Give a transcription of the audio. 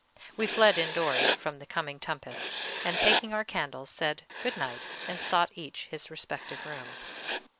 We fled indoors from the coming tempest, and taking our candles, said "good night," and sought each his respective room.